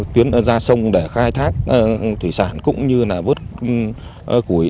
tuyến ra sông để khai thác thủy sản cũng như là vớt củi